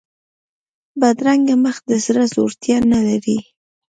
بدرنګه مخ د زړه زړورتیا نه لري